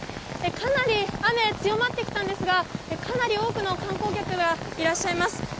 かなり雨は強まってきたんですがかなり多くの観光客がいらっしゃいます。